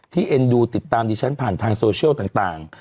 เอ็นดูติดตามดิฉันผ่านทางโซเชียลต่าง